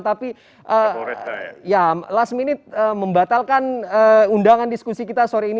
tapi ya last minute membatalkan undangan diskusi kita sore ini